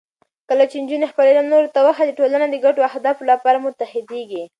کله چې نجونې خپل علم نورو ته وښيي، ټولنه د ګډو اهدافو لپاره متحدېږي.